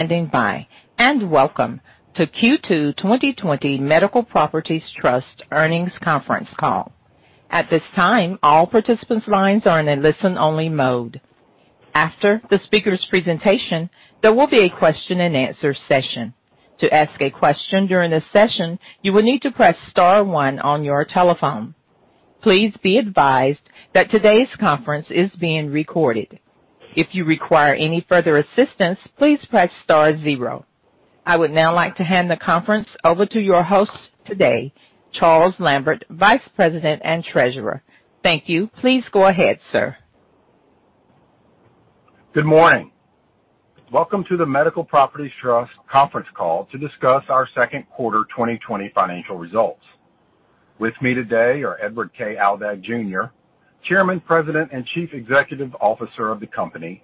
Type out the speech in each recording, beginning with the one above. Standing by and welcome to Q2 2020 Medical Properties Trust Earnings Conference Call. At this time, all participants' lines are in a listen-only mode. After the speaker's presentation, there will be a question and answer session. To ask a question during this session, you will need to press star one on your telephone. Please be advised that today's conference is being recorded. If you require any further assistance, please press star zero. I would now like to hand the conference over to your host today, Charles Lambert, Vice President and Treasurer. Thank you. Please go ahead, sir. Good morning. Welcome to the Medical Properties Trust conference call to discuss our Q2 2020 financial results. With me today are Edward K. Aldag Jr., Chairman, President, and Chief Executive Officer of the company,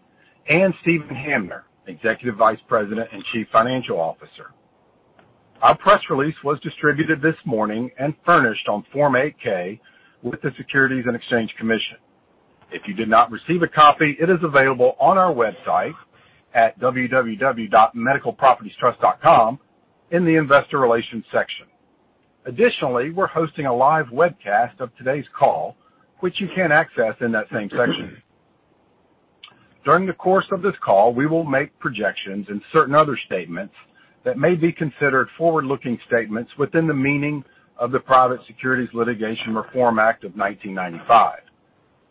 and Steven Hamner, Executive Vice President and Chief Financial Officer. Our press release was distributed this morning and furnished on Form 8-K with the Securities and Exchange Commission. If you did not receive a copy, it is available on our website at www.medicalpropertiestrust.com in the investor relations section. Additionally, we're hosting a live webcast of today's call, which you can access in that same section. During the course of this call, we will make projections and certain other statements that may be considered forward-looking statements within the meaning of the Private Securities Litigation Reform Act of 1995.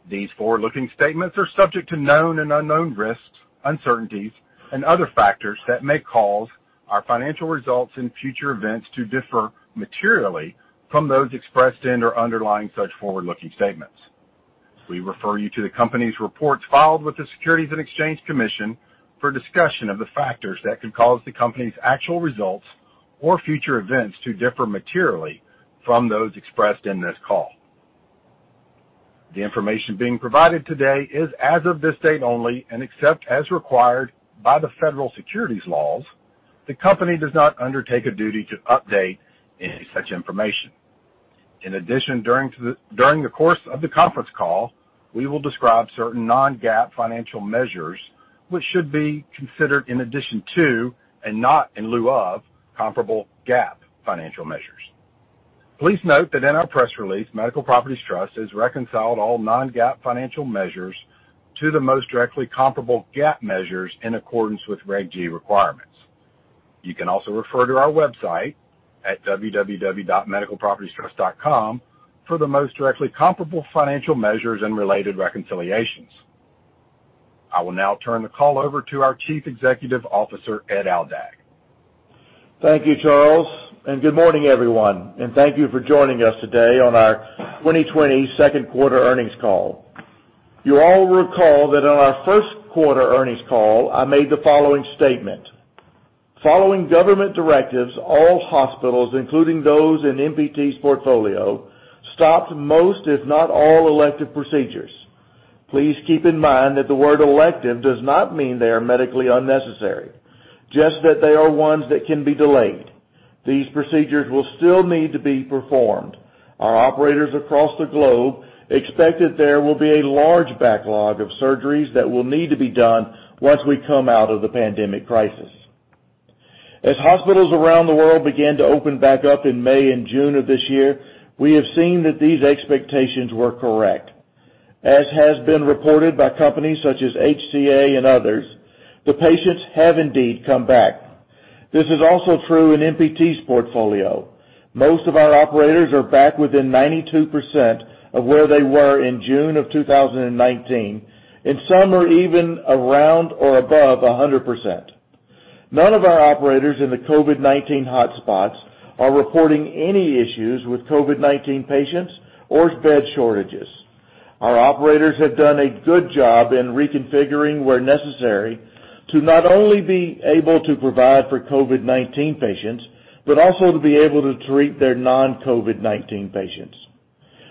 These forward-looking statements are subject to known and unknown risks, uncertainties, and other factors that may cause our financial results and future events to differ materially from those expressed in or underlying such forward-looking statements. We refer you to the company's reports filed with the Securities and Exchange Commission for discussion of the factors that could cause the company's actual results or future events to differ materially from those expressed in this call. The information being provided today is as of this date only, and except as required by the federal securities laws, the company does not undertake a duty to update any such information. In addition, during the course of the conference call, we will describe certain non-GAAP financial measures which should be considered in addition to, and not in lieu of, comparable GAAP financial measures. Please note that in our press release, Medical Properties Trust has reconciled all non-GAAP financial measures to the most directly comparable GAAP measures in accordance with regulation requirements. You can also refer to our website at www.medicalpropertiestrust.com for the most directly comparable financial measures and related reconciliations. I will now turn the call over to our Chief Executive Officer, Ed Aldag. Thank you, Charles, and good morning, everyone, and thank you for joining us today on our 2020 Q2 earnings call. You all will recall that on our Q1 earnings call, I made the following statement. Following government directives, all hospitals, including those in MPT's portfolio, stopped most, if not all, elective procedures. Please keep in mind that the word elective does not mean they are medically unnecessary, just that they are ones that can be delayed. These procedures will still need to be performed. Our operators across the globe expect that there will be a large backlog of surgeries that will need to be done once we come out of the pandemic crisis. As hospitals around the world began to open back up in May and June of this year, we have seen that these expectations were correct. As has been reported by companies such as HCA and others, the patients have indeed come back. This is also true in MPT's portfolio. Most of our operators are back within 92% of where they were in June of 2019, and some are even around or above 100%. None of our operators in the COVID-19 hotspots are reporting any issues with COVID-19 patients or bed shortages. Our operators have done a good job in reconfiguring where necessary to not only be able to provide for COVID-19 patients, but also to be able to treat their non-COVID-19 patients.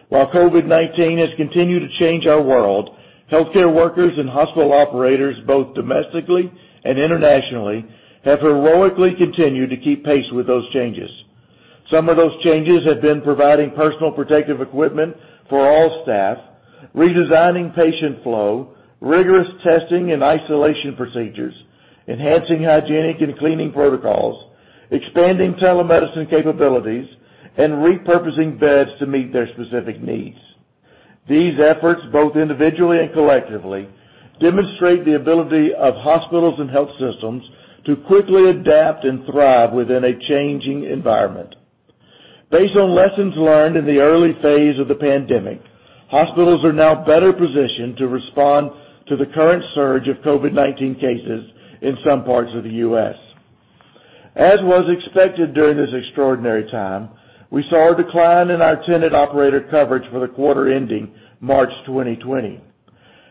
While COVID-19 has continued to change our world, healthcare workers and hospital operators, both domestically and internationally, have heroically continued to keep pace with those changes. Some of those changes have been providing personal protective equipment for all staff, redesigning patient flow, rigorous testing and isolation procedures, enhancing hygienic and cleaning protocols, expanding telemedicine capabilities, and repurposing beds to meet their specific needs. These efforts, both individually and collectively, demonstrate the ability of hospitals and health systems to quickly adapt and thrive within a changing environment. Based on lessons learned in the early phase of the pandemic, hospitals are now better positioned to respond to the current surge of COVID-19 cases in some parts of the U.S. As was expected during this extraordinary time, we saw a decline in our tenant operator coverage for the quarter ending March 2020.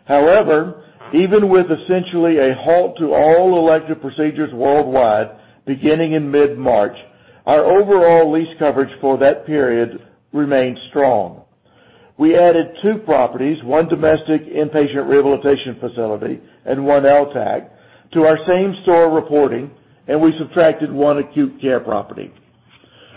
However, even with essentially a halt to all elective procedures worldwide beginning in mid-March, our overall lease coverage for that period remained strong. We added two properties, one domestic inpatient rehabilitation facility and 1 LTAC, to our same-store reporting. We subtracted one acute care property.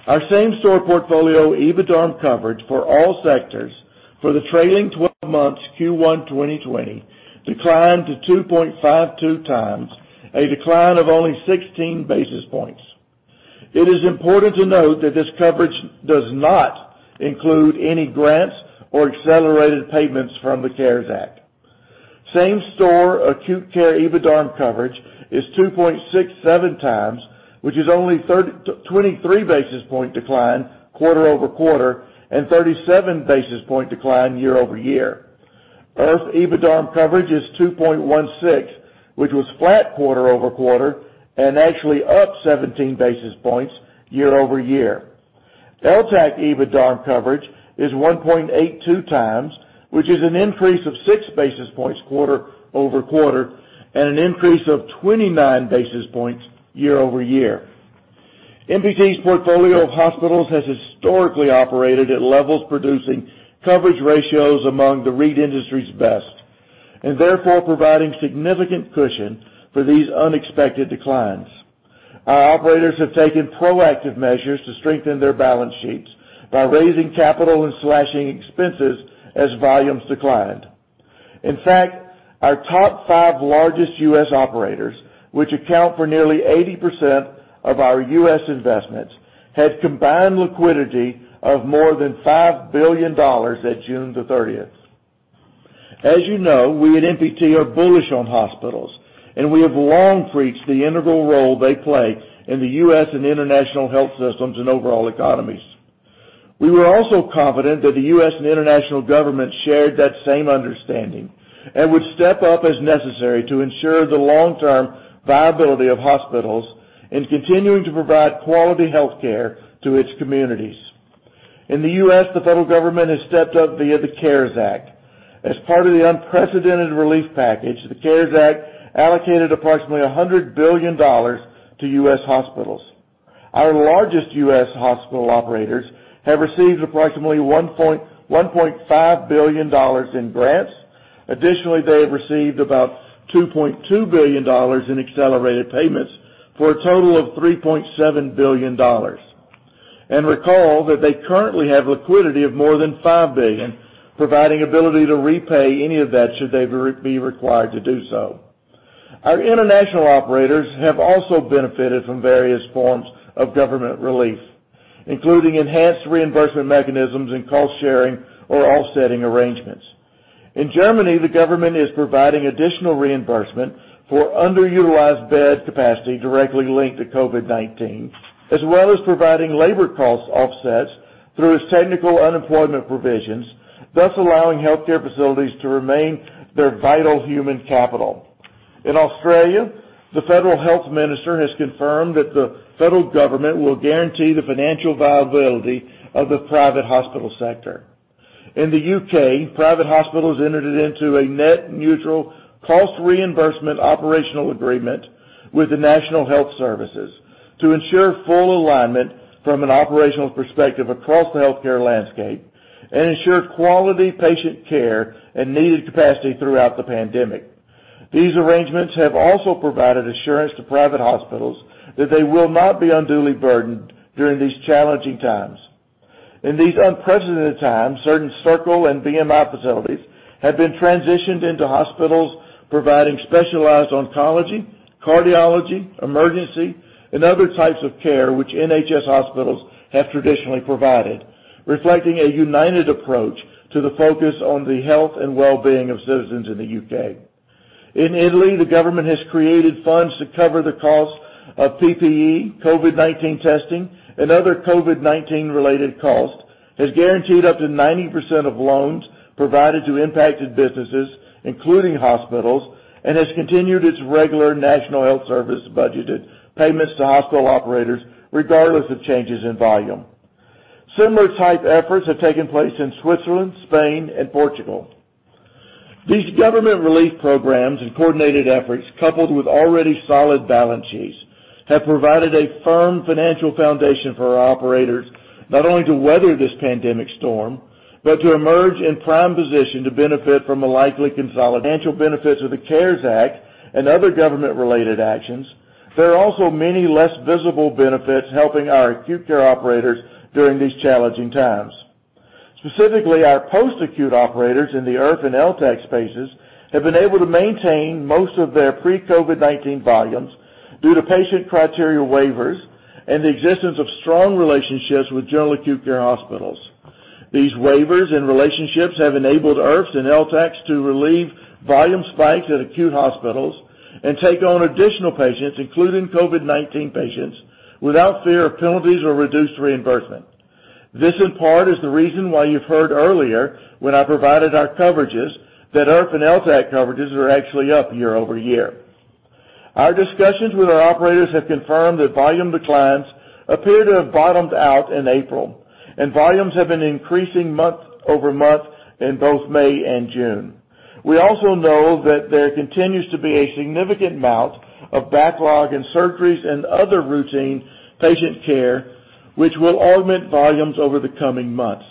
Our same-store portfolio EBITDA coverage for all sectors for the trailing 12 months Q1 2020 declined to 2.52 times, a decline of only 16 basis points. It is important to note that this coverage does not include any grants or accelerated payments from the CARES Act. Same-store acute care EBITDA coverage is 2.67 times, which is only 23 basis points decline quarter-over-quarter, and 37 basis points decline year-over-year. IRF EBITDA coverage is 2.16, which was flat quarter-over-quarter, and actually up 17 basis points year-over-year. LTAC EBITDA coverage is 1.82 times, which is an increase of six basis points quarter-over-quarter, and an increase of 29 basis points year-over-year. MPT's portfolio of hospitals has historically operated at levels producing coverage ratios among the REIT industry's best, and therefore providing significant cushion for these unexpected declines. Our operators have taken proactive measures to strengthen their balance sheets by raising capital and slashing expenses as volumes declined. In fact, our top five largest U.S. operators, which account for nearly 80% of our U.S. investments, had combined liquidity of more than $5 billion at June 30th. As you know, we at MPT are bullish on hospitals, and we have long preached the integral role they play in the U.S. and international health systems and overall economies. We were also confident that the U.S. and international governments shared that same understanding and would step up as necessary to ensure the long-term viability of hospitals in continuing to provide quality healthcare to its communities. In the U.S., the federal government has stepped up via the CARES Act. As part of the unprecedented relief package, the CARES Act allocated approximately $100 billion to U.S. hospitals. Our largest U.S. hospital operators have received approximately $1.5 billion in grants. Additionally, they have received about $2.2 billion in accelerated payments for a total of $3.7 billion. Recall that they currently have liquidity of more than $5 billion, providing ability to repay any of that should they be required to do so. Our international operators have also benefited from various forms of government relief, including enhanced reimbursement mechanisms and cost-sharing or offsetting arrangements. In Germany, the government is providing additional reimbursement for underutilized bed capacity directly linked to COVID-19, as well as providing labor cost offsets through its technical unemployment provisions, thus allowing healthcare facilities to remain their vital human capital. In Australia, the federal health minister has confirmed that the federal government will guarantee the financial viability of the private hospital sector. In the U.K., private hospitals entered into a net neutral cost reimbursement operational agreement with the National Health Service to ensure full alignment from an operational perspective across the healthcare landscape and ensure quality patient care and needed capacity throughout the pandemic. These arrangements have also provided assurance to private hospitals that they will not be unduly burdened during these challenging times. In these unprecedented times, certain Circle and BMI facilities have been transitioned into hospitals providing specialized oncology, cardiology, emergency, and other types of care which NHS hospitals have traditionally provided, reflecting a united approach to the focus on the health and wellbeing of citizens in the U.K. In Italy, the government has created funds to cover the cost of PPE, COVID-19 testing, and other COVID-19-related costs, has guaranteed up to 90% of loans provided to impacted businesses, including hospitals, and has continued its regular National Health Service-budgeted payments to hospital operators regardless of changes in volume. Similar type efforts have taken place in Switzerland, Spain, and Portugal. These government relief programs and coordinated efforts, coupled with already solid balance sheets, have provided a firm financial foundation for our operators, not only to weather this pandemic storm, but to emerge in prime position to benefit from the likely consolidation Financial benefits of the CARES Act and other government-related actions, there are also many less visible benefits helping our acute care operators during these challenging times. Specifically, our post-acute operators in the IRF and LTAC spaces have been able to maintain most of their pre-COVID-19 volumes due to patient criteria waivers and the existence of strong relationships with general acute care hospitals. These waivers and relationships have enabled IRFs and LTACs to relieve volume spikes at acute hospitals and take on additional patients, including COVID-19 patients, without fear of penalties or reduced reimbursement. This, in part, is the reason why you've heard earlier when I provided our coverages that IRF and LTAC coverages are actually up year-over-year. Our discussions with our operators have confirmed that volume declines appear to have bottomed out in April, and volumes have been increasing month-over-month in both May and June. We also know that there continues to be a significant amount of backlog in surgeries and other routine patient care which will augment volumes over the coming months.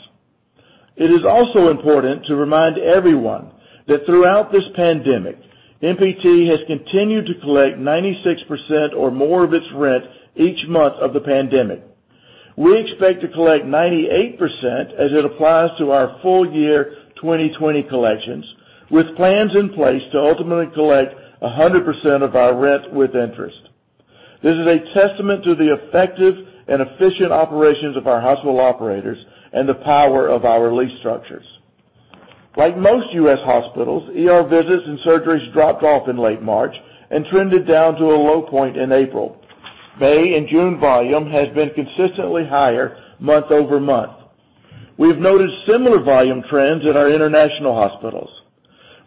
It is also important to remind everyone that throughout this pandemic, MPT has continued to collect 96% or more of its rent each month of the pandemic. We expect to collect 98% as it applies to our full year 2020 collections, with plans in place to ultimately collect 100% of our rent with interest. This is a testament to the effective and efficient operations of our hospital operators and the power of our lease structures. Like most U.S. hospitals, ER visits and surgeries dropped off in late March and trended down to a low point in April. May and June volume has been consistently higher month-over-month. We have noticed similar volume trends at our international hospitals.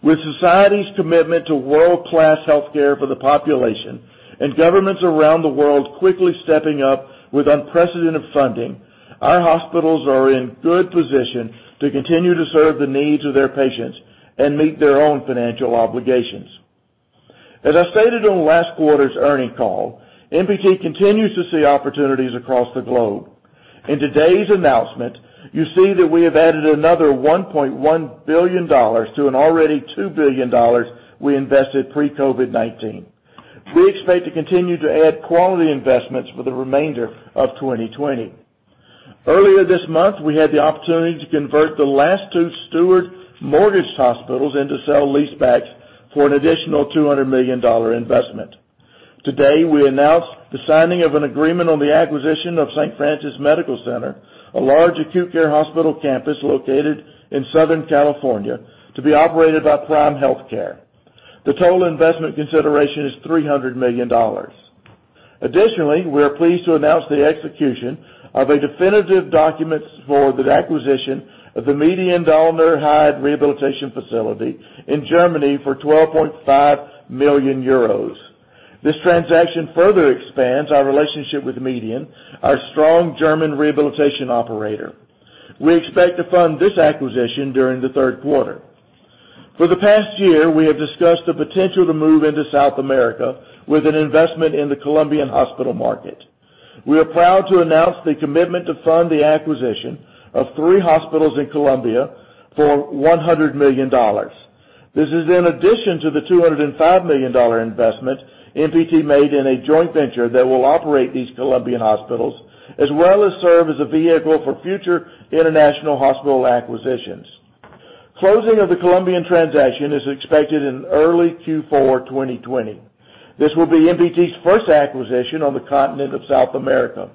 With society's commitment to world-class healthcare for the population and governments around the world quickly stepping up with unprecedented funding, our hospitals are in good position to continue to serve the needs of their patients and meet their own financial obligations. As I stated on last quarter's earning call, MPT continues to see opportunities across the globe. In today's announcement, you see that we have added another $1.1 billion to an already $2 billion we invested pre-COVID-19. We expect to continue to add quality investments for the remainder of 2020. Earlier this month, we had the opportunity to convert the last two Steward mortgaged hospitals into sale-leasebacks for an additional $200 million investment. Today, we announce the signing of an agreement on the acquisition of St. Francis Medical Center, a large acute care hospital campus located in Southern California, to be operated by Prime Healthcare. The total investment consideration is $300 million. Additionally, we are pleased to announce the execution of a definitive documents for the acquisition of the Median Daunernheide Rehabilitation facility in Germany for 12.5 million euros. This transaction further expands our relationship with Median, our strong German rehabilitation operator. We expect to fund this acquisition during the Q3. For the past year, we have discussed the potential to move into South America with an investment in the Colombian hospital market. We are proud to announce the commitment to fund the acquisition of three hospitals in Colombia for $100 million. This is in addition to the $205 million investment MPT made in a joint venture that will operate these Colombian hospitals, as well as serve as a vehicle for future international hospital acquisitions. Closing of the Colombian transaction is expected in early Q4 2020. This will be MPT's first acquisition on the continent of South America.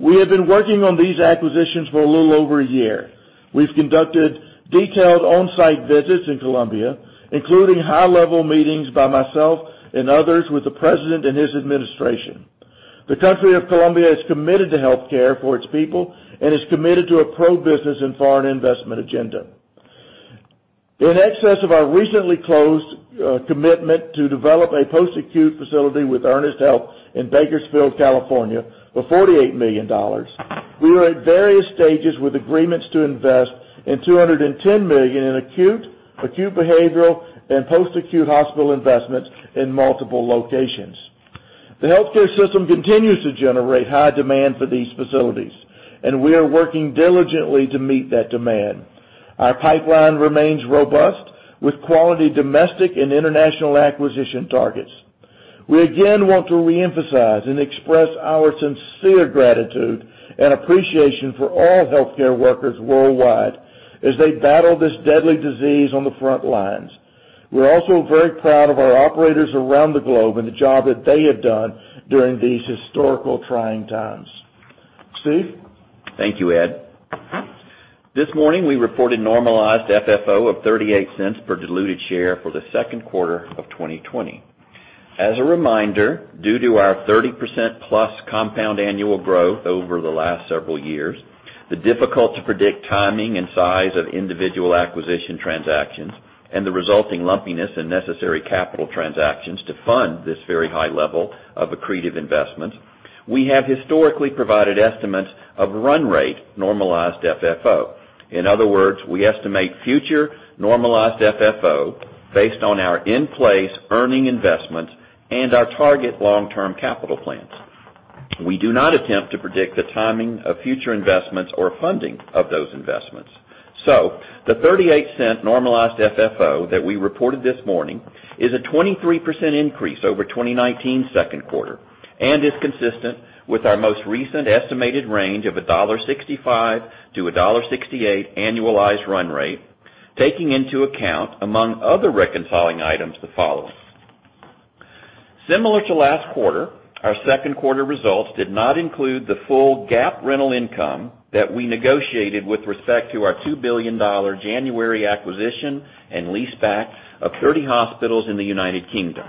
We have been working on these acquisitions for a little over a year. We've conducted detailed on-site visits in Colombia, including high-level meetings by myself and others with the president and his administration. The country of Colombia is committed to healthcare for its people and is committed to a pro-business and foreign investment agenda. In excess of our recently closed commitment to develop a post-acute facility with Ernest Health in Bakersfield, California, for $48 million, we are at various stages with agreements to invest in $210 million in acute behavioral, and post-acute hospital investments in multiple locations. The healthcare system continues to generate high demand for these facilities, and we are working diligently to meet that demand. Our pipeline remains robust with quality domestic and international acquisition targets. We again want to reemphasize and express our sincere gratitude and appreciation for all healthcare workers worldwide as they battle this deadly disease on the front lines. We're also very proud of our operators around the globe and the job that they have done during these historical trying times. Steve? Thank you, Ed. This morning, we reported normalized FFO of $0.38 per diluted share for the Q2 of 2020. As a reminder, due to our 30% plus compound annual growth over the last several years, the difficult-to-predict timing and size of individual acquisition transactions, and the resulting lumpiness and necessary capital transactions to fund this very high level of accretive investment, we have historically provided estimates of run rate normalized FFO. In other words, we estimate future normalized FFO based on our in-place earning investments and our target long-term capital plans. We do not attempt to predict the timing of future investments or funding of those investments. The $0.38 normalized FFO that we reported this morning is a 23% increase over 2019 Q2 and is consistent with our most recent estimated range of $1.65-$1.68 annualized run rate, taking into account, among other reconciling items, the following. Similar to last quarter, our Q2 results did not include the full GAAP rental income that we negotiated with respect to our $2 billion January acquisition and leaseback of 30 hospitals in the United Kingdom.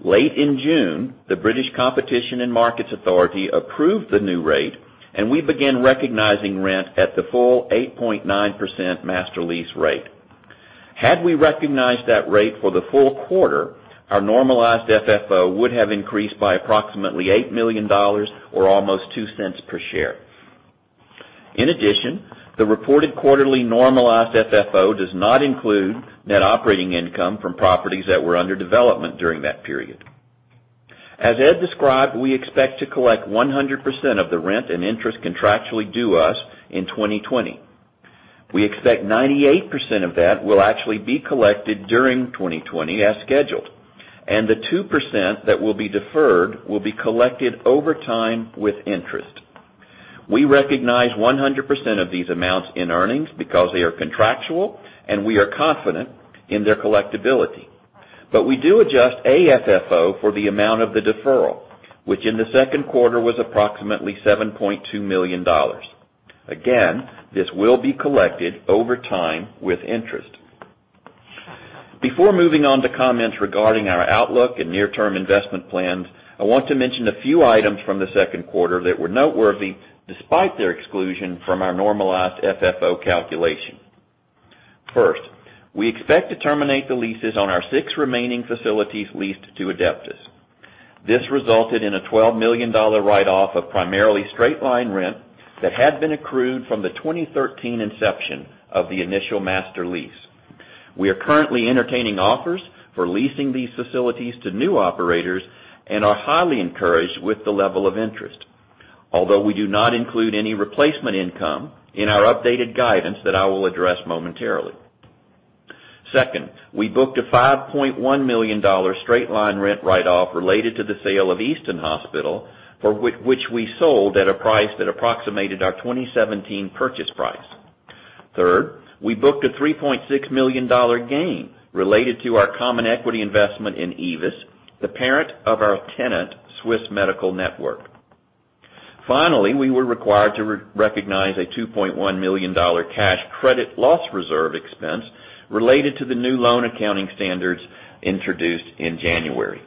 Late in June, the British Competition and Markets Authority approved the new rate, and we began recognizing rent at the full 8.9% master lease rate. Had we recognized that rate for the full quarter, our normalized FFO would have increased by approximately $8 million or almost $0.02 per share. In addition, the reported quarterly normalized FFO does not include net operating income from properties that were under development during that period. As Ed described, we expect to collect 100% of the rent and interest contractually due us in 2020. We expect 98% of that will actually be collected during 2020 as scheduled, and the 2% that will be deferred will be collected over time with interest. We recognize 100% of these amounts in earnings because they are contractual, and we are confident in their collectibility. We do adjust AFFO for the amount of the deferral, which in the Q2 was approximately $7.2 million. Again, this will be collected over time with interest. Before moving on to comments regarding our outlook and near-term investment plans, I want to mention a few items from the Q2 that were noteworthy despite their exclusion from our normalized FFO calculation. We expect to terminate the leases on our six remaining facilities leased to Adeptus. This resulted in a $12 million write-off of primarily straight-line rent that had been accrued from the 2013 inception of the initial master lease. We are currently entertaining offers for leasing these facilities to new operators and are highly encouraged with the level of interest. We do not include any replacement income in our updated guidance that I will address momentarily. We booked a $5.1 million straight-line rent write-off related to the sale of Easton Hospital, which we sold at a price that approximated our 2017 purchase price. We booked a $3.6 million gain related to our common equity investment in Aevis, the parent of our tenant, Swiss Medical Network. Finally, we were required to recognize a $2.1 million cash credit loss reserve expense related to the new loan accounting standards introduced in January.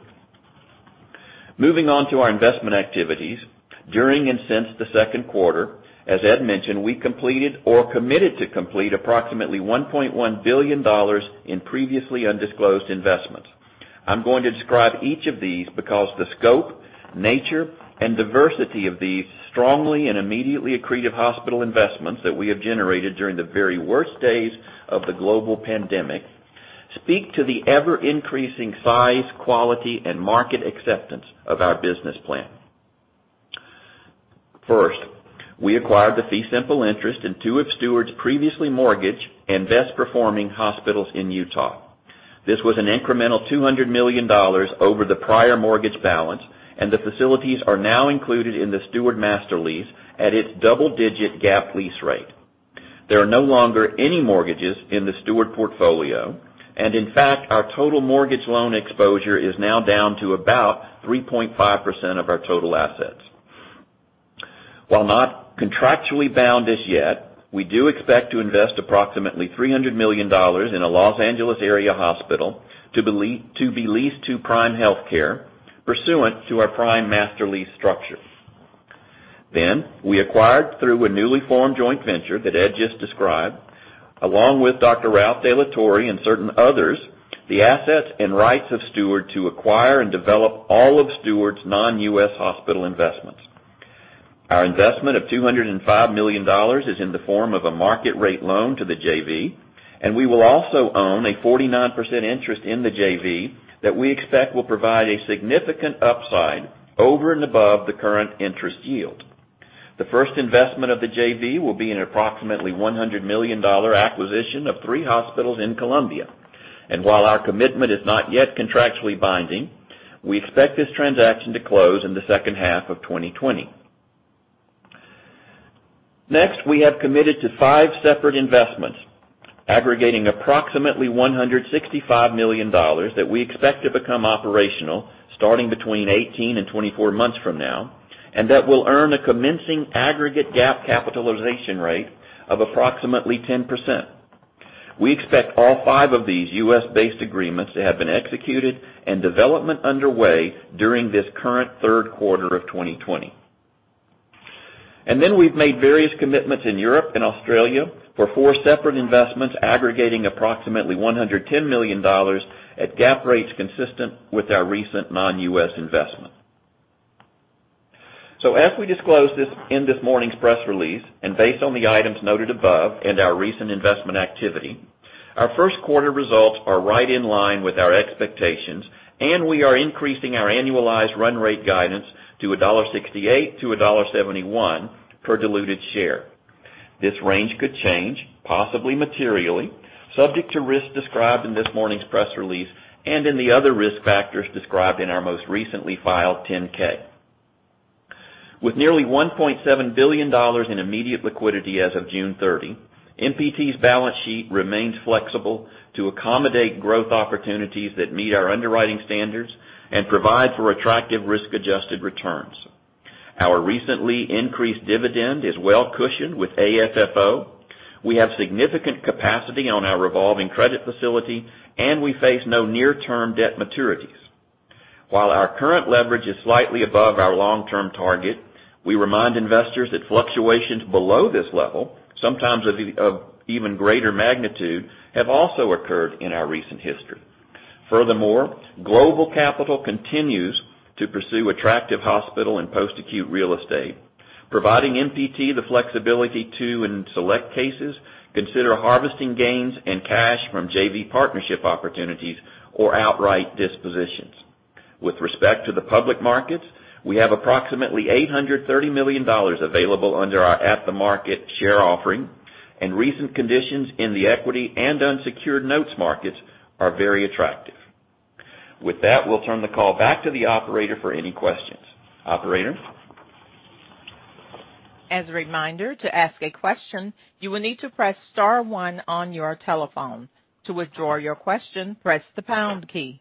Moving on to our investment activities, during and since the Q2, as Ed mentioned, we completed or committed to complete approximately $1.1 billion in previously undisclosed investments. I'm going to describe each of these because the scope, nature, and diversity of these strongly and immediately accretive hospital investments that we have generated during the very worst days of the global pandemic speak to the ever-increasing size, quality, and market acceptance of our business plan. First, we acquired the fee simple interest in two of Steward's previously mortgaged and best-performing hospitals in Utah. This was an incremental $200 million over the prior mortgage balance, and the facilities are now included in the Steward master lease at its double-digit GAAP lease rate. There are no longer any mortgages in the Steward portfolio, and in fact, our total mortgage loan exposure is now down to about 3.5% of our total assets. While not contractually bound as yet, we do expect to invest approximately $300 million in a L.A. area hospital to be leased to Prime Healthcare pursuant to our Prime master lease structure. We acquired through a newly formed joint venture that Ed just described, along with Dr. Ralph de la Torre and certain others, the assets and rights of Steward to acquire and develop all of Steward's non-U.S. hospital investments. Our investment of $205 million is in the form of a market rate loan to the JV, and we will also own a 49% interest in the JV that we expect will provide a significant upside over and above the current interest yield. The first investment of the JV will be an approximately $100 million acquisition of three hospitals in Bogotá, Colombia. While our commitment is not yet contractually binding, we expect this transaction to close in the H2 of 2020. Next, we have committed to five separate investments aggregating approximately $165 million that we expect to become operational starting between 18 and 24 months from now, and that will earn a commencing aggregate GAAP capitalization rate of approximately 10%. We expect all five of these U.S.-based agreements to have been executed and development underway during this current Q3 of 2020. We've made various commitments in Europe and Australia for four separate investments aggregating approximately $110 million at GAAP rates consistent with our recent non-U.S. investment. As we disclosed this in this morning's press release, and based on the items noted above and our recent investment activity, our Q1 results are right in line with our expectations, and we are increasing our annualized run rate guidance to $1.68-$1.71 per diluted share. This range could change, possibly materially, subject to risks described in this morning's press release and in the other risk factors described in our most recently filed 10-K. With nearly $1.7 billion in immediate liquidity as of June 30th, MPT's balance sheet remains flexible to accommodate growth opportunities that meet our underwriting standards and provide for attractive risk-adjusted returns. Our recently increased dividend is well cushioned with AFFO. We have significant capacity on our revolving credit facility, and we face no near-term debt maturities. While our current leverage is slightly above our long-term target, we remind investors that fluctuations below this level, sometimes of even greater magnitude, have also occurred in our recent history. Furthermore, global capital continues to pursue attractive hospital and post-acute real estate, providing MPT the flexibility to, in select cases, consider harvesting gains and cash from JV partnership opportunities or outright dispositions. With respect to the public markets, we have approximately $830 million available under our at-the-market share offering. Recent conditions in the equity and unsecured notes markets are very attractive. With that, we'll turn the call back to the operator for any questions. Operator? As a reminder, to ask a question, you will need to press star one on your telephone. To withdraw your question, press the pound key.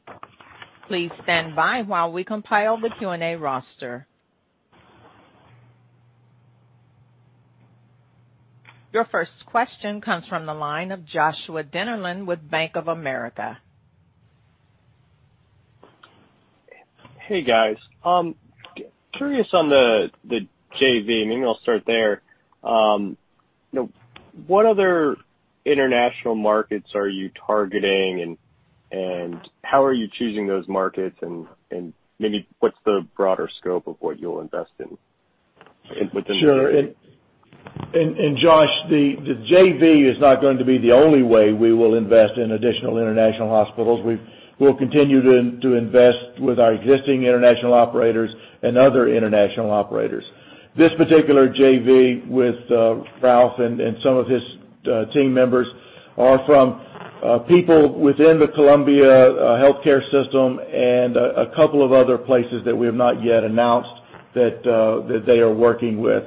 Please stand by while we compile the Q&A roster. Your first question comes from the line of Joshua Dennerlein with Bank of America. Hey, guys. Curious on the JV, maybe I'll start there. What other international markets are you targeting, how are you choosing those markets? Maybe what's the broader scope of what you'll invest in. Sure. Josh, the JV is not going to be the only way we will invest in additional international hospitals. We'll continue to invest with our existing international operators and other international operators. This particular JV with Ralph and some of his team members are from people within the Colombia healthcare system and a couple of other places that we have not yet announced that they are working with.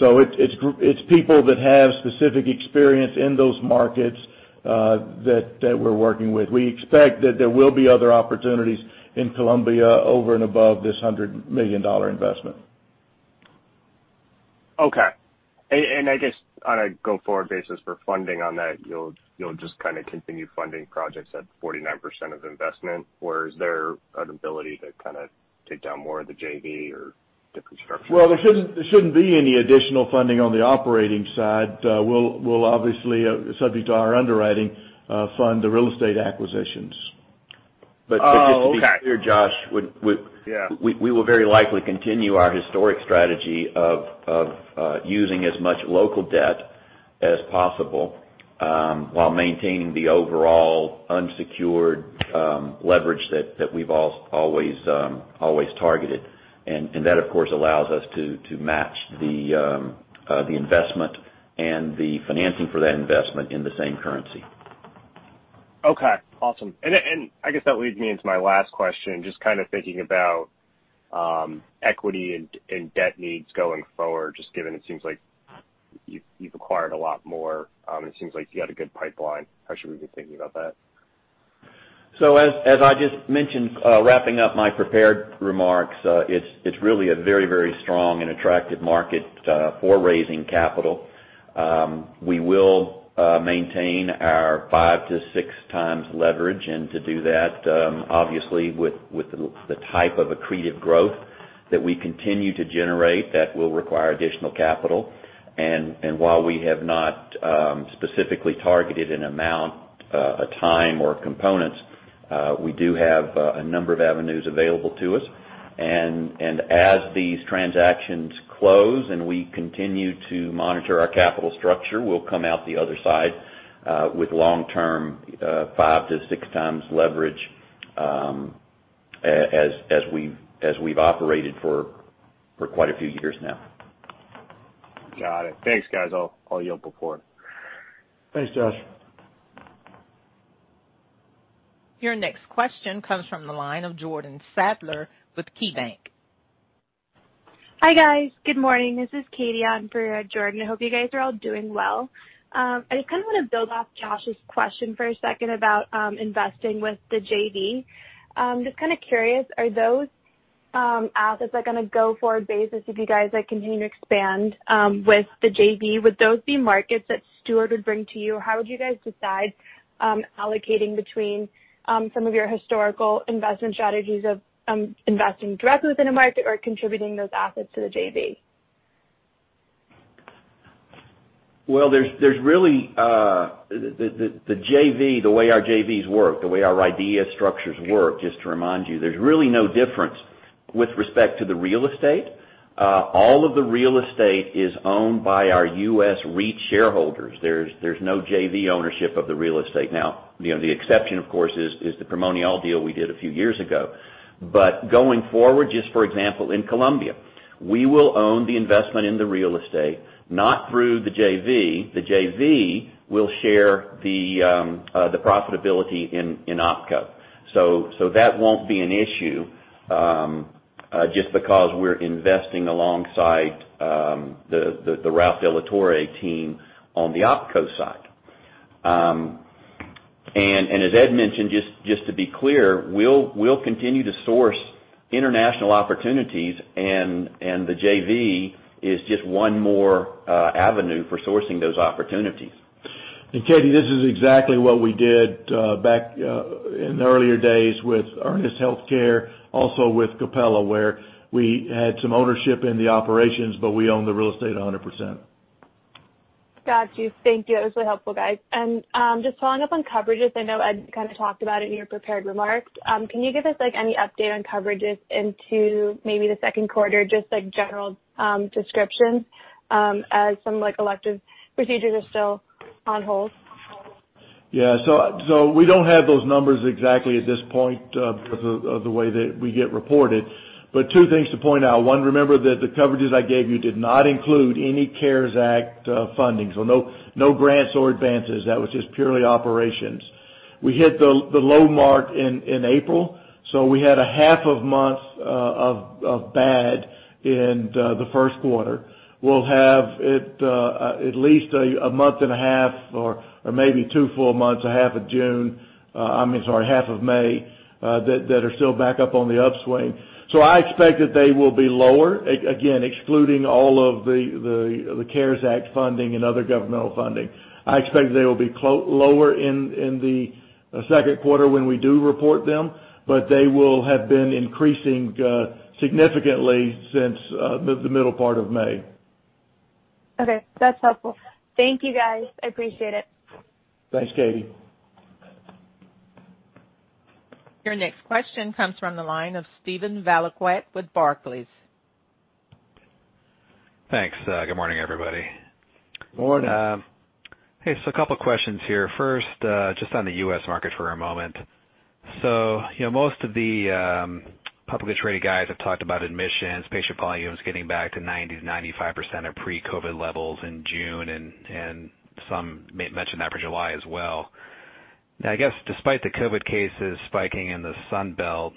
It's people that have specific experience in those markets, that we're working with. We expect that there will be other opportunities in Colombia over and above this $100 million investment. Okay. I guess on a go-forward basis for funding on that, you'll just kind of continue funding projects at 49% of investment, or is there an ability to kind of take down more of the JV or different structures? Well, there shouldn't be any additional funding on the operating side. We'll obviously, subject to our underwriting, fund the real estate acquisitions. Oh, okay. Just to be clear, Josh. Yeah We will very likely continue our historic strategy of using as much local debt as possible, while maintaining the overall unsecured leverage that we've always targeted. That, of course, allows us to match the investment and the financing for that investment in the same currency. Okay. Awesome. I guess that leads me into my last question, just kind of thinking about equity and debt needs going forward, just given it seems like you've acquired a lot more, and it seems like you've got a good pipeline. How should we be thinking about that? As I just mentioned, wrapping up my prepared remarks, it's really a very strong and attractive market for raising capital. We will maintain our five to six times leverage. To do that, obviously, with the type of accreted growth that we continue to generate, that will require additional capital. While we have not specifically targeted an amount, a time, or components, we do have a number of avenues available to us. As these transactions close and we continue to monitor our capital structure, we'll come out the other side, with long-term, five to six times leverage, as we've operated for quite a few years now. Got it. Thanks, guys. I'll yield the floor. Thanks, Josh. Your next question comes from the line of Jordan Sadler with KeyBanc. Hi, guys. Good morning. This is Katie on for Jordan. I hope you guys are all doing well. I just kind of want to build off Josh's question for a second about investing with the JV. Just kind of curious, are those assets, like on a go-forward basis, if you guys like continue to expand, with the JV, would those be markets that Steward would bring to you, or how would you guys decide allocating between some of your historical investment strategies of investing directly within a market or contributing those assets to the JV? Well, the JV, the way our JVs work, the way our RIDEA structures work, just to remind you, there's really no difference with respect to the real estate. All of the real estate is owned by our U.S. REIT shareholders. There's no JV ownership of the real estate. The exception, of course, is the Primonial deal we did a few years ago. Going forward, just for example, in Colombia, we will own the investment in the real estate, not through the JV. The JV will share the profitability in OpCo. That won't be an issue, just because we're investing alongside the Ralph de la Torre team on the OpCo side. As Ed mentioned, just to be clear, we'll continue to source international opportunities, and the JV is just one more avenue for sourcing those opportunities. Katie, this is exactly what we did back in the earlier days with Ernest Health, also with Capella, where we had some ownership in the operations, but we own the real estate 100%. Got you. Thank you. That was really helpful, guys. Just following up on coverages, I know Ed kind of talked about it in your prepared remarks. Can you give us any update on coverages into maybe the Q2, just general descriptions? As some elective procedures are still on hold. We don't have those numbers exactly at this point because of the way that we get reported. Two things to point out. One, remember that the coverages I gave you did not include any CARES Act funding. No grants or advances. That was just purely operations. We hit the low mark in April. We had a half of month of bad in the Q1. We'll have at least a month and a half or maybe two full months, a half of June, I mean, sorry, half of May, that are still back up on the upswing. I expect that they will be lower, again, excluding all of the CARES Act funding and other governmental funding. I expect they will be lower in the Q2 when we do report them, but they will have been increasing significantly since the middle part of May. Okay. That's helpful. Thank you, guys. I appreciate it. Thanks, Katie. Your next question comes from the line of Steven Valiquette with Barclays. Thanks. Good morning, everybody. Morning. Hey, a couple questions here. First, just on the U.S. market for a moment. Most of the publicly traded guys have talked about admissions, patient volumes getting back to 90%-95% of pre-COVID levels in June, and some mentioned that for July as well. I guess despite the COVID cases spiking in the Sun Belt,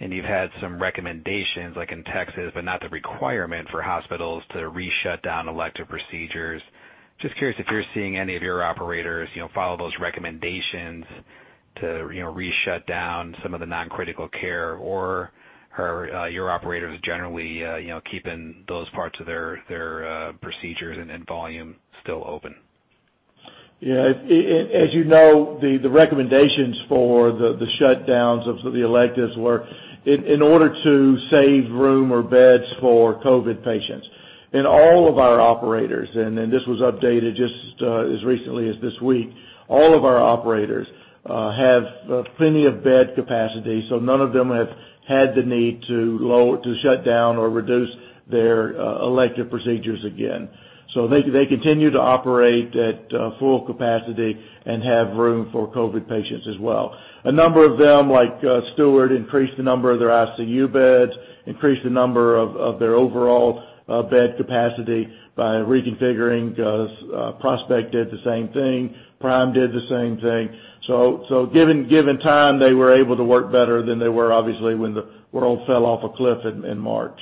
and you've had some recommendations like in Texas, but not the requirement for hospitals to re-shut down elective procedures. Just curious if you're seeing any of your operators follow those recommendations to re-shut down some of the non-critical care, or are your operators generally keeping those parts of their procedures and volume still open? Yeah. As you know, the recommendations for the shutdowns of the electives were in order to save room or beds for COVID patients. In all of our operators, this was updated just as recently as this week. All of our operators have plenty of bed capacity. None of them have had the need to shut down or reduce their elective procedures again. They continue to operate at full capacity and have room for COVID patients as well. A number of them, like Steward, increased the number of their ICU beds, increased the number of their overall bed capacity by reconfiguring. Prospect did the same thing. Prime did the same thing. Given time, they were able to work better than they were, obviously, when the world fell off a cliff in March.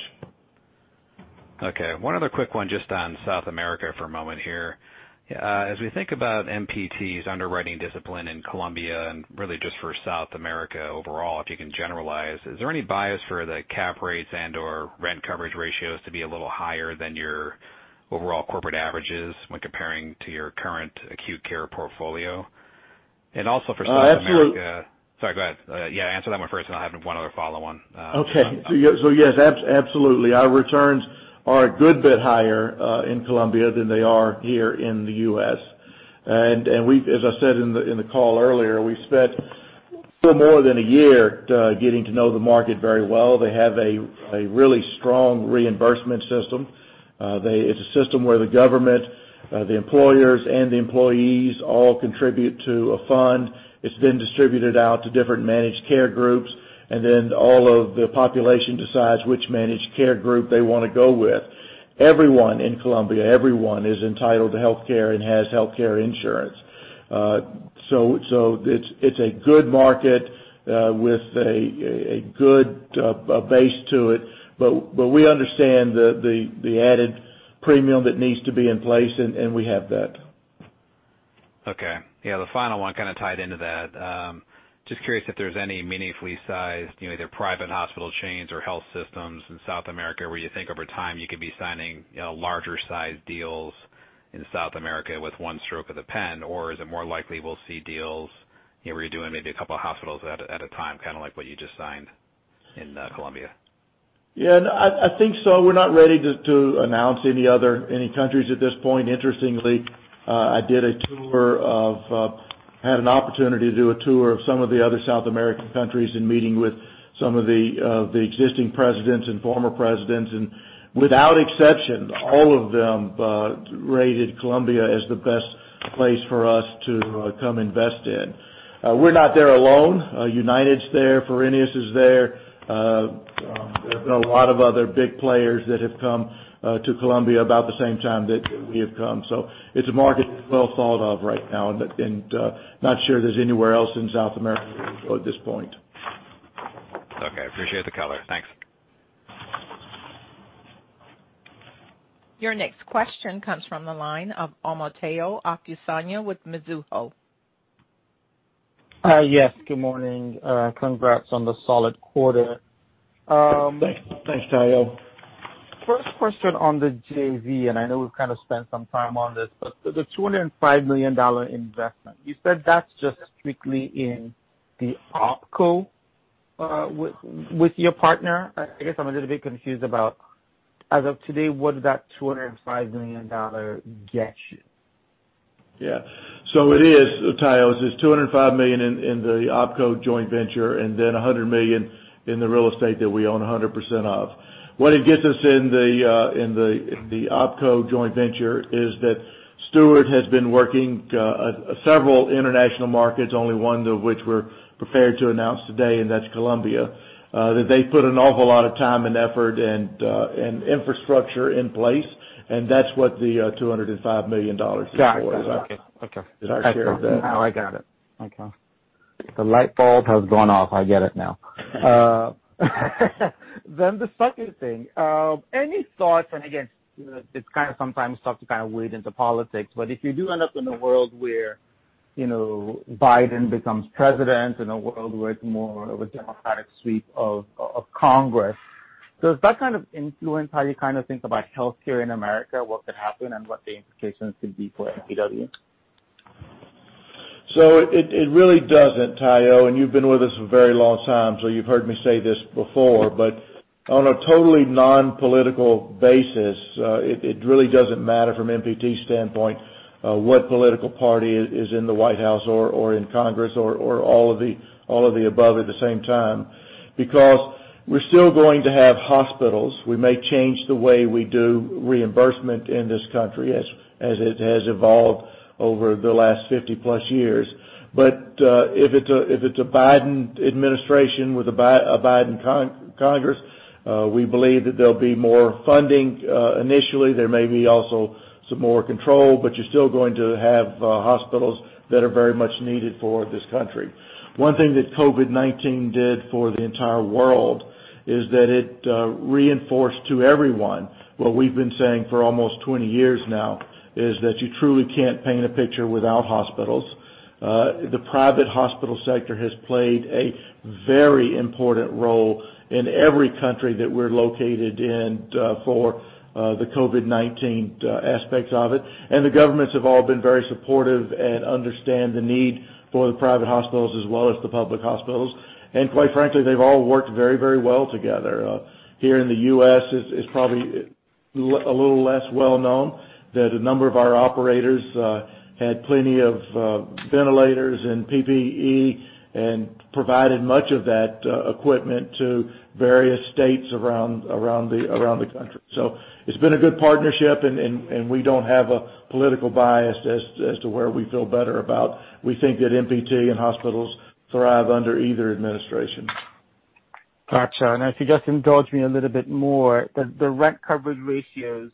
Okay. One other quick one just on South America for a moment here. As we think about MPT's underwriting discipline in Colombia and really just for South America overall, if you can generalize, is there any bias for the cap rates and/or rent coverage ratios to be a little higher than your overall corporate averages when comparing to your current acute care portfolio? Absolutely. Sorry, go ahead. Yeah, answer that one first, and I have one other follow-on. Okay. Yes, absolutely. Our returns are a good bit higher in Colombia than they are here in the U.S. As I said in the call earlier, we spent a little more than a year getting to know the market very well. They have a really strong reimbursement system. It's a system where the government, the employers, and the employees all contribute to a fund. It's then distributed out to different managed care groups, and then all of the population decides which managed care group they want to go with. Everyone in Colombia, everyone is entitled to healthcare and has healthcare insurance. It's a good market, with a good base to it. We understand the added premium that needs to be in place, and we have that. Yeah, the final one kind of tied into that. Just curious if there's any meaningfully sized, either private hospital chains or health systems in South America where you think over time you could be signing larger size deals in South America with one stroke of the pen, or is it more likely we'll see deals where you're doing maybe a couple of hospitals at a time, kind of like what you just signed in Colombia? Yeah. I think so. We're not ready to announce any countries at this point. Interestingly, I had an opportunity to do a tour of some of the other South American countries and meeting with some of the existing presidents and former presidents. Without exception, all of them rated Colombia as the best place for us to come invest in. We're not there alone. UnitedHealth's there. Fresenius is there. There's been a lot of other big players that have come to Colombia about the same time that we have come. It's a market that's well thought of right now and not sure there's anywhere else in South America at this point. Okay. Appreciate the color. Thanks. Your next question comes from the line of Omotayo Okusanya with Mizuho. Yes. Good morning. Congrats on the solid quarter. Thanks, Tayo. First question on the JV, and I know we've kind of spent some time on this, but the $205 million investment, you said that's just strictly in the OpCo? With your partner, I guess I'm a little bit confused about, as of today, what that $205 million gets you. Yeah. It is, Tayo, it's $205 million in the OpCo joint venture, and then $100 million in the real estate that we own 100% of. What it gets us in the OpCo joint venture is that Steward has been working several international markets, only one of which we're prepared to announce today, and that's Colombia. That they've put an awful lot of time and effort and infrastructure in place, and that's what the $205 million is for. Got it. Okay. It's our share of that. Now I got it. Okay. The light bulb has gone off. I get it now. The second thing, any thoughts, and again, it's kind of sometimes tough to wade into politics, but if you do end up in a world where Biden becomes president, in a world with more of a Democratic sweep of Congress, does that kind of influence how you think about healthcare in America, what could happen and what the implications could be for MPW? It really doesn't, Tayo, and you've been with us a very long time, so you've heard me say this before, but on a totally non-political basis, it really doesn't matter from MPT standpoint, what political party is in the White House or in Congress or all of the above at the same time, because we're still going to have hospitals. We may change the way we do reimbursement in this country as it has evolved over the last 50 plus years. If it's a Biden administration with a Biden Congress, we believe that there'll be more funding. Initially, there may be also some more control, but you're still going to have hospitals that are very much needed for this country. One thing that COVID-19 did for the entire world is that it reinforced to everyone what we've been saying for almost 20 years now, is that you truly can't paint a picture without hospitals. The private hospital sector has played a very important role in every country that we're located in for the COVID-19 aspects of it. The governments have all been very supportive and understand the need for the private hospitals as well as the public hospitals. Quite frankly, they've all worked very well together. Here in the U.S., it's probably a little less well-known that a number of our operators had plenty of ventilators and PPE and provided much of that equipment to various states around the country. It's been a good partnership and we don't have a political bias as to where we feel better about. We think that MPT and hospitals thrive under either administration. Got you. If you just indulge me a little bit more, the rent coverage ratios,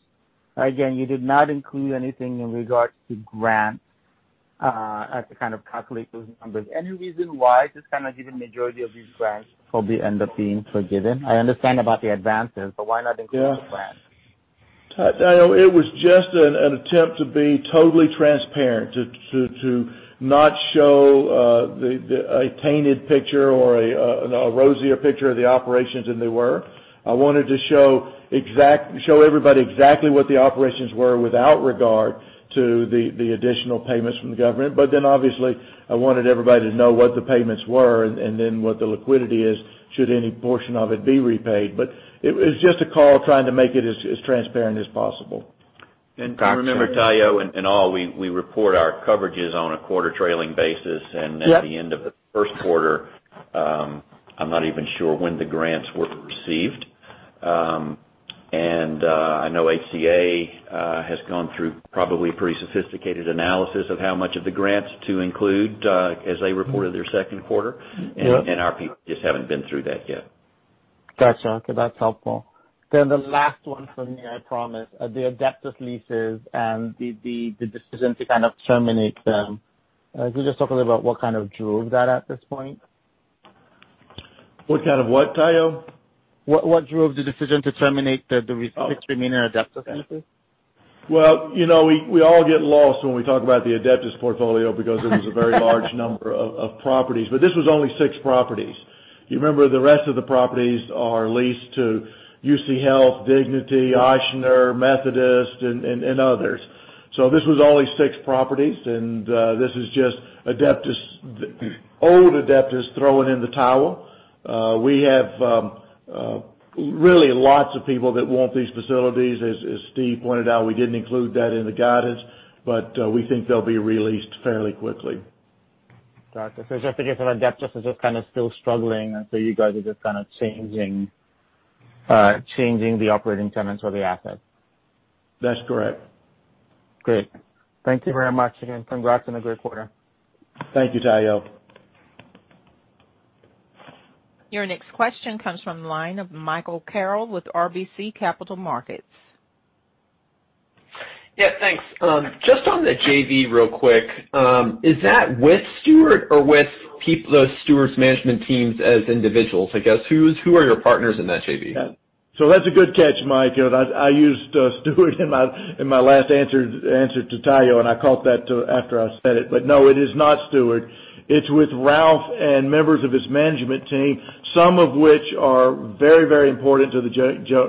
again, you did not include anything in regards to grants, to kind of calculate those numbers. Any reason why? Just given majority of these grants probably end up being forgiven. I understand about the advances, but why not include the grants? Tayo, it was just an attempt to be totally transparent, to not show a tainted picture or a rosier picture of the operations than they were. I wanted to show everybody exactly what the operations were without regard to the additional payments from the government. Obviously I wanted everybody to know what the payments were and then what the liquidity is, should any portion of it be repaid. It was just a call trying to make it as transparent as possible. Got you. Remember, Tayo, in all, we report our coverages on a quarter trailing basis. Yep. At the end of the Q1, I'm not even sure when the grants were received. I know HCA has gone through probably a pretty sophisticated analysis of how much of the grants to include, as they reported their Q2. Yep. Our people just haven't been through that yet. Got you. Okay, that's helpful. The last one from me, I promise, the Adeptus leases and the decision to kind of terminate them. Could you just talk a little about what kind of drove that at this point? What kind of what, Tayo? What drove the decision to terminate the remaining Adeptus leases? Well, we all get lost when we talk about the Adeptus portfolio because it was a very large number of properties. This was only six properties. You remember, the rest of the properties are leased to UC Health, Dignity, Ochsner, Methodist, and others. This was only six properties, and this is just old Adeptus throwing in the towel. We have really lots of people that want these facilities. As Steve pointed out, we didn't include that in the guidance, but we think they'll be re-leased fairly quickly. Got you. It's just a case of Adeptus is just kind of still struggling, you guys are just kind of changing the operating tenants or the assets. That's correct. Great. Thank you very much. Again, congrats on a great quarter. Thank you, Tayo. Your next question comes from the line of Michael Carroll with RBC Capital Markets. Yeah, thanks. Just on the JV real quick. Is that with Steward or with those Steward's management teams as individuals, I guess? Who are your partners in that JV? That's a good catch, Mike. I used Steward in my last answer to Tayo, and I caught that after I said it. No, it is not Steward. It's with Ralph and members of his management team, some of which are very important to the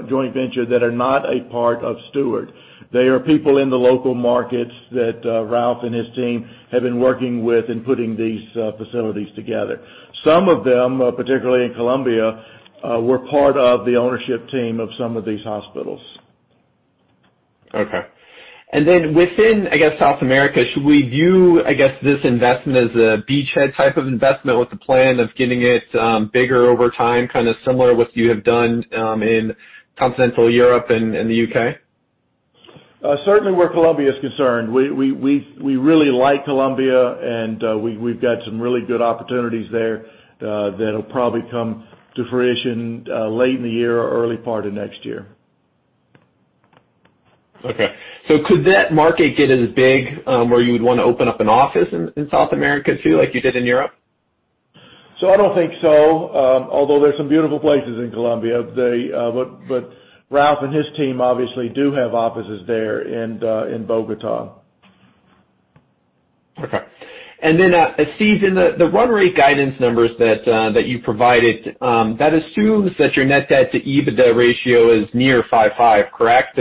joint venture that are not a part of Steward. They are people in the local markets that Ralph and his team have been working with in putting these facilities together. Some of them, particularly in Colombia, were part of the ownership team of some of these hospitals. Okay. Then within South America, should we view this investment as a beachhead type of investment with the plan of getting it bigger over time, kind of similar to what you have done in continental Europe and the U.K.? Where Colombia is concerned. We really like Colombia, and we've got some really good opportunities there that'll probably come to fruition late in the year or early part of next year. Okay. Could that market get as big where you would want to open up an office in South America too, like you did in Europe? I don't think so, although there's some beautiful places in Colombia. Ralph and his team obviously do have offices there in Bogotá. Okay. Then, Steve, in the run rate guidance numbers that you provided, that assumes that your net debt to EBITDA ratio is near 5.5, correct?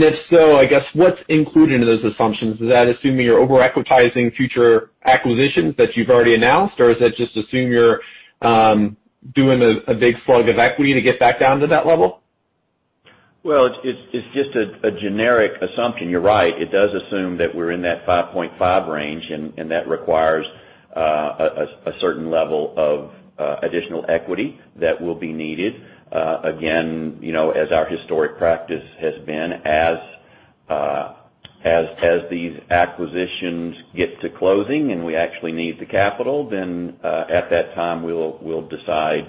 If so, I guess, what's included in those assumptions? Is that assuming you're over-equitizing future acquisitions that you've already announced, or is that just assuming you're doing a big slug of equity to get back down to that level? Well, it's just a generic assumption. You're right. It does assume that we're in that 5.5 range. That requires a certain level of additional equity that will be needed. Again, as our historic practice has been, as these acquisitions get to closing and we actually need the capital, at that time, we'll decide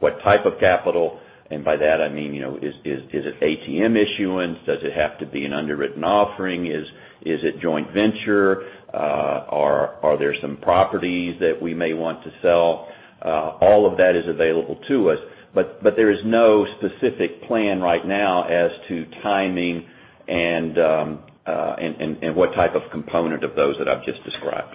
what type of capital. By that, I mean, is it ATM issuance? Does it have to be an underwritten offering? Is it joint venture? Are there some properties that we may want to sell? All of that is available to us. There is no specific plan right now as to timing and what type of component of those that I've just described.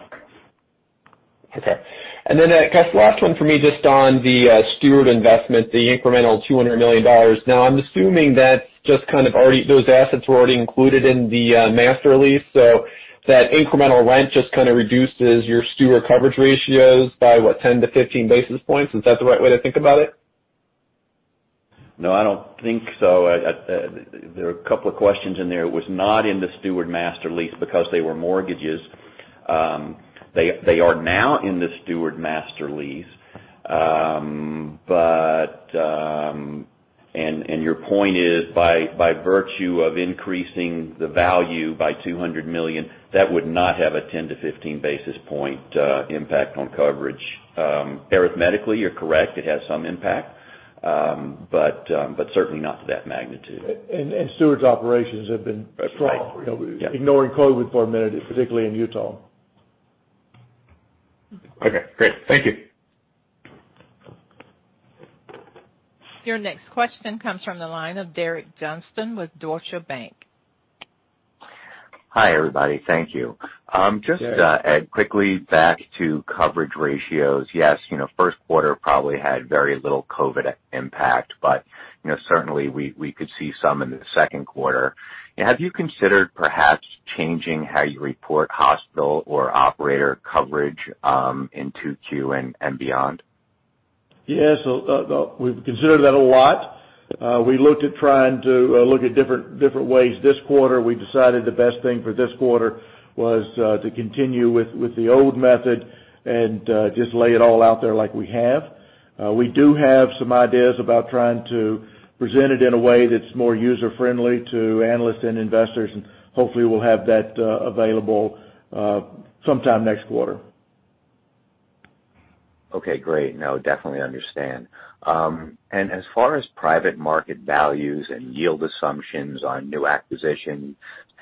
Okay. Then I guess the last one for me, just on the Steward investment, the incremental $200 million. I'm assuming those assets were already included in the master lease, that incremental rent just kind of reduces your Steward coverage ratios by what, 10-15 basis points? Is that the right way to think about it? No, I don't think so. There are a couple of questions in there. It was not in the Steward master lease because they were mortgages. They are now in the Steward master lease. Your point is by virtue of increasing the value by $200 million, that would not have a 10-15 basis point impact on coverage. Arithmetically, you're correct, it has some impact. Certainly not to that magnitude. Steward's operations have been strong. Right. Yeah. Ignoring COVID for a minute, particularly in Utah. Okay, great. Thank you. Your next question comes from the line of Derek Johnston with Deutsche Bank. Hi, everybody. Thank you. Derek. Just, Ed, quickly back to coverage ratios. Yes, Q1 probably had very little COVID impact, but certainly, we could see some in the Q2. Have you considered perhaps changing how you report hospital or operator coverage in Q2 and beyond? Yes. We've considered that a lot. We looked at trying to look at different ways this quarter. We decided the best thing for this quarter was to continue with the old method and just lay it all out there like we have. We do have some ideas about trying to present it in a way that's more user-friendly to analysts and investors. Hopefully we'll have that available sometime next quarter. Okay, great. No, definitely understand. As far as private market values and yield assumptions on new acquisition,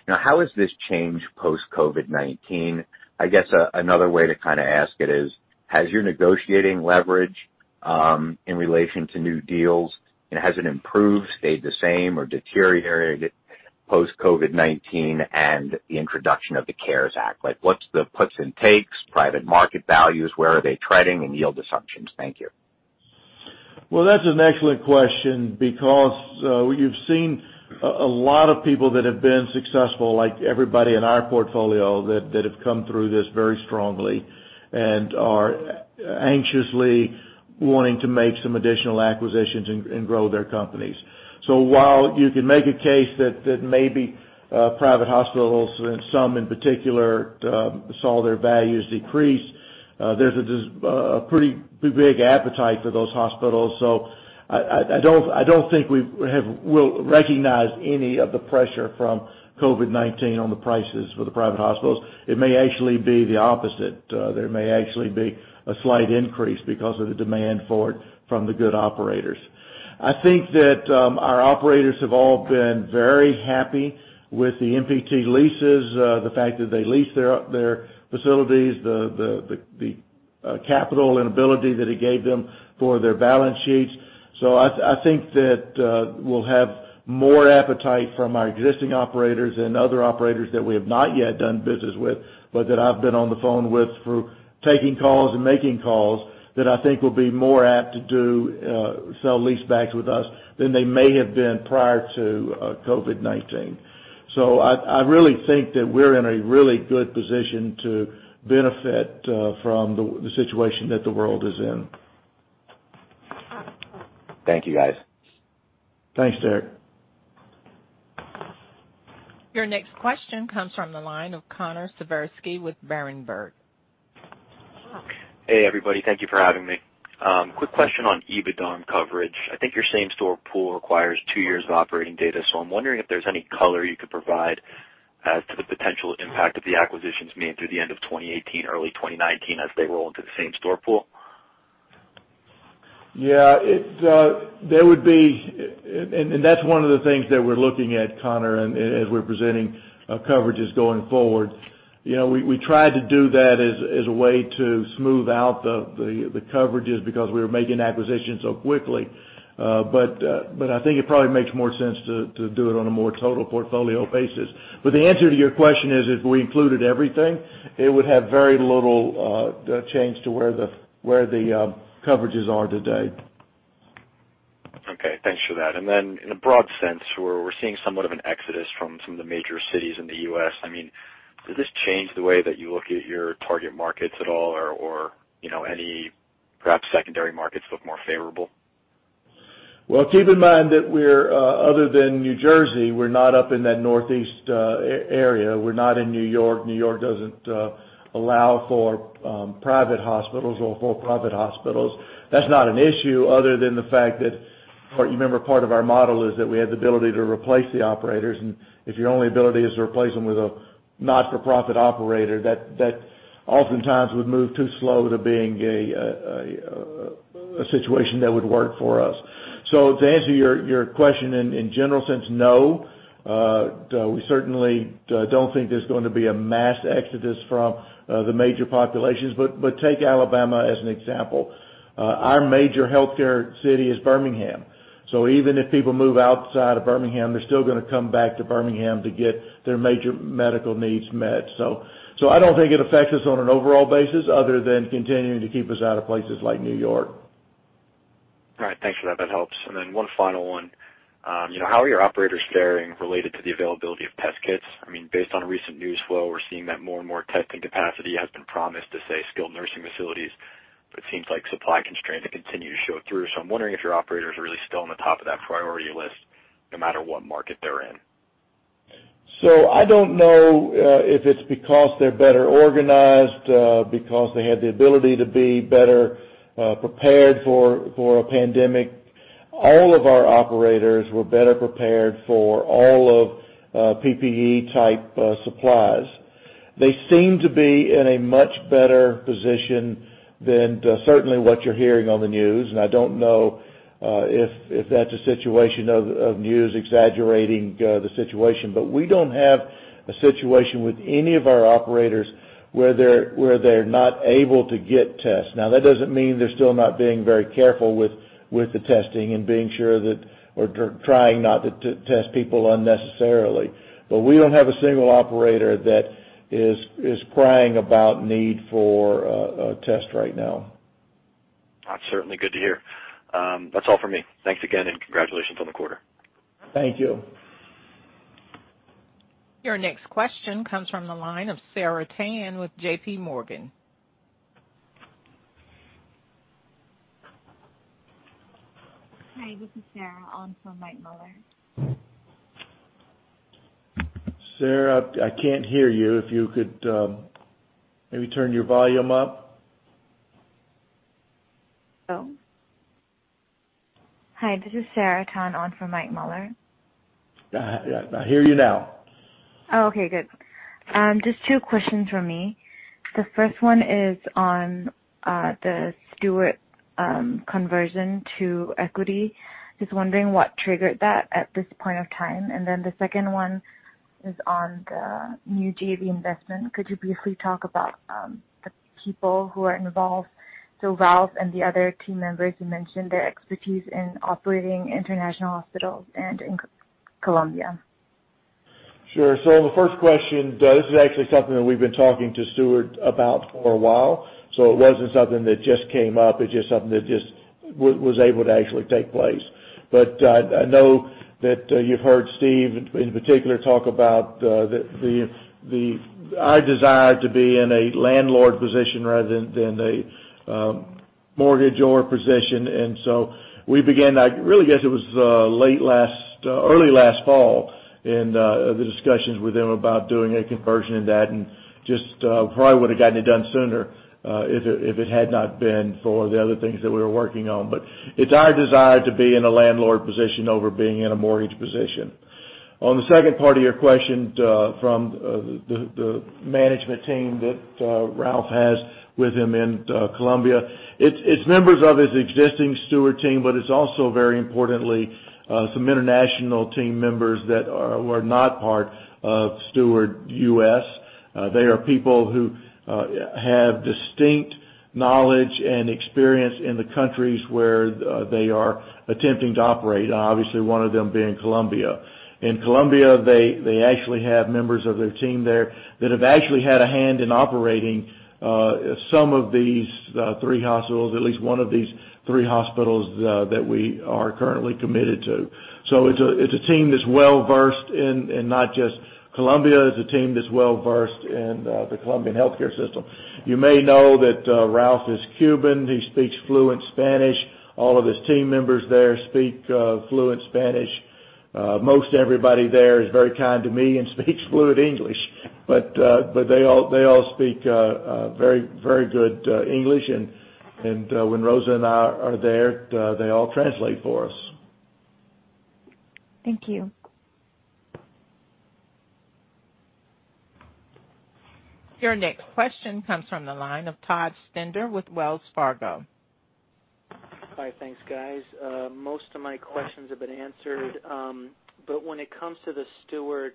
now how has this changed post-COVID-19? I guess another way to kind of ask it is, has your negotiating leverage in relation to new deals, has it improved, stayed the same, or deteriorated post-COVID-19 and the introduction of the CARES Act? What's the puts and takes, private market values, where are they trending, and yield assumptions? Thank you. That's an excellent question because you've seen a lot of people that have been successful, like everybody in our portfolio that have come through this very strongly and are anxiously wanting to make some additional acquisitions and grow their companies. While you can make a case that maybe private hospitals, some in particular, saw their values decrease, there's a pretty big appetite for those hospitals. I don't think we'll recognize any of the pressure from COVID-19 on the prices for the private hospitals. It may actually be the opposite. There may actually be a slight increase because of the demand for it from the good operators. I think that our operators have all been very happy with the MPT leases, the fact that they lease their facilities, the capital and ability that it gave them for their balance sheets. I think that we'll have more appetite from our existing operators and other operators that we have not yet done business with, but that I've been on the phone with for taking calls and making calls, that I think will be more apt to do sell leasebacks with us than they may have been prior to COVID-19. I really think that we're in a really good position to benefit from the situation that the world is in. Thank you, guys. Thanks, Derek. Your next question comes from the line of Connor Siversky with Berenberg. Hey, everybody. Thank you for having me. Quick question on EBITDA coverage. I think your same-store pool requires two years of operating data. I'm wondering if there's any color you could provide as to the potential impact of the acquisitions made through the end of 2018, early 2019, as they roll into the same-store pool. That's one of the things that we're looking at, Connor, as we're presenting coverages going forward. We tried to do that as a way to smooth out the coverages because we were making acquisitions so quickly. I think it probably makes more sense to do it on a more total portfolio basis. The answer to your question is, if we included everything, it would have very little change to where the coverages are today. Okay. Thanks for that. In a broad sense, we're seeing somewhat of an exodus from some of the major cities in the U.S. Does this change the way that you look at your target markets at all or any perhaps secondary markets look more favorable? Keep in mind that other than New Jersey, we're not up in that Northeast area. We're not in New York. New York doesn't allow for private hospitals or for-profit hospitals. That's not an issue other than the fact that, you remember, part of our model is that we have the ability to replace the operators, and if your only ability is to replace them with a not-for-profit operator, that oftentimes would move too slow to being a situation that would work for us. To answer your question in general sense, no. We certainly don't think there's going to be a mass exodus from the major populations. Take Alabama as an example. Our major healthcare city is Birmingham. Even if people move outside of Birmingham, they're still going to come back to Birmingham to get their major medical needs met. I don't think it affects us on an overall basis other than continuing to keep us out of places like New York. All right. Thanks for that. That helps. One final one. How are your operators faring related to the availability of test kits? Based on recent news flow, we're seeing that more and more testing capacity has been promised to, say, skilled nursing facilities, but it seems like supply constraints continue to show through. I'm wondering if your operators are really still on the top of that priority list no matter what market they're in. I don't know if it's because they're better organized, because they had the ability to be better prepared for a pandemic. All of our operators were better prepared for all of PPE type supplies. They seem to be in a much better position than certainly what you're hearing on the news. I don't know if that's a situation of news exaggerating the situation. We don't have a situation with any of our operators where they're not able to get tests. Now, that doesn't mean they're still not being very careful with the testing and being sure that we're trying not to test people unnecessarily. We don't have a single operator that is crying about need for a test right now. That's certainly good to hear. That's all for me. Thanks again, and congratulations on the quarter. Thank you. Your next question comes from the line of Sarah Tan with J.P. Morgan. Hi, this is Sarah on for Mike Mueller. Sarah, I can't hear you. If you could maybe turn your volume up. Hello? Hi, this is Sarah Tan on for Mike Mueller. I hear you now. Oh, okay. Good. Just two questions from me. The first one is on the Steward conversion to equity. Just wondering what triggered that at this point of time. The second one is on the new JV investment. Could you briefly talk about the people who are involved, so Ralph and the other team members you mentioned, their expertise in operating international hospitals and in Colombia? Sure. The first question, this is actually something that we've been talking to Steward about for a while. It wasn't something that just came up. It's just something that just was able to actually take place. I know that you've heard Steve, in particular, talk about our desire to be in a landlord position rather than a mortgagor position. We began, I really guess it was early last fall in the discussions with them about doing a conversion in that, and just probably would have gotten it done sooner if it had not been for the other things that we were working on. It's our desire to be in a landlord position over being in a mortgage position. On the second part of your question from the management team that Ralph has with him in Colombia, it's members of his existing Steward team, but it's also very importantly some international team members that were not part of Steward U.S. They are people who have distinct knowledge and experience in the countries where they are attempting to operate. Obviously, one of them being Colombia. In Colombia, they actually have members of their team there that have actually had a hand in operating some of these three hospitals, at least one of these three hospitals that we are currently committed to. It's a team that's well-versed in not just Colombia. It's a team that's well-versed in the Colombian healthcare system. You may know that Ralph is Cuban. He speaks fluent Spanish. All of his team members there speak fluent Spanish. Most everybody there is very kind to me and speaks fluid English. They all speak very good English, and when Rosa and I are there, they all translate for us. Thank you. Your next question comes from the line of Todd Stender with Wells Fargo. Hi. Thanks, guys. Most of my questions have been answered. When it comes to the Steward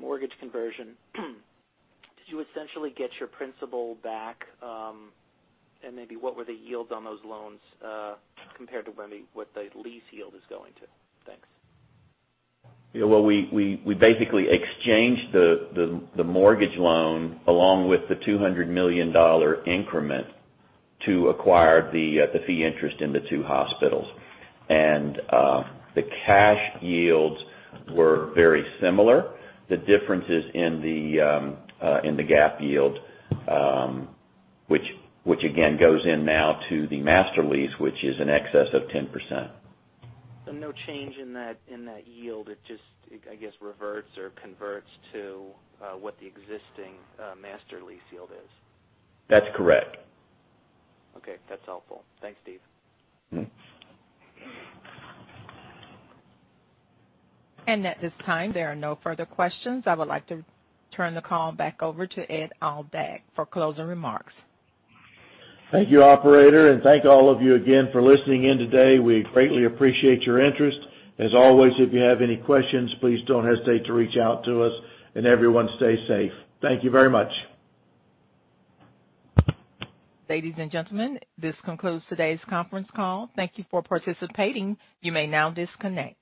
mortgage conversion, did you essentially get your principal back? Maybe what were the yields on those loans compared to what the lease yield is going to? Thanks. Well, we basically exchanged the mortgage loan along with the $200 million increment to acquire the fee interest in the two hospitals. The cash yields were very similar. The difference is in the GAAP yield, which again goes in now to the master lease, which is in excess of 10%. No change in that yield. It just, I guess, reverts or converts to what the existing master lease yield is. That's correct. Okay. That's helpful. Thanks, Steve. At this time, there are no further questions. I would like to turn the call back over to Ed Aldag for closing remarks. Thank you, operator, and thank all of you again for listening in today. We greatly appreciate your interest. As always, if you have any questions, please don't hesitate to reach out to us, and everyone stay safe. Thank you very much. Ladies and gentlemen, this concludes today's conference call. Thank you for participating. You may now disconnect.